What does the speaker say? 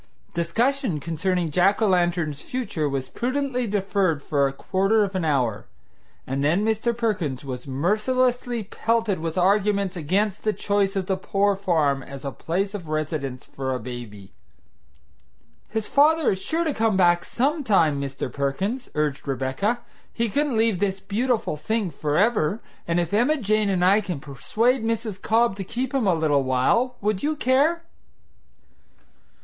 Discussion concerning Jack o' lantern's future was prudently deferred for a quarter of an hour, and then Mr. Perkins was mercilessly pelted with arguments against the choice of the poor farm as a place of residence for a baby. "His father is sure to come back some time, Mr. Perkins," urged Rebecca. "He couldn't leave this beautiful thing forever; and if Emma Jane and I can persuade Mrs. Cobb to keep him a little while, would you care?"